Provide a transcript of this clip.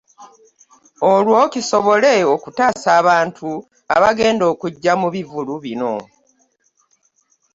Olwo kisobole okutaasa abantu abagenda okujja mu bivvulu bino.